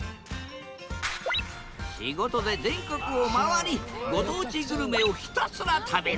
仕事で全国を回りご当地グルメをひたすら食べる。